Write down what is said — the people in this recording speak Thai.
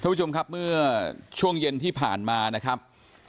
ผู้ชมครับเมื่อช่วงเย็นที่ผ่านมานะครับ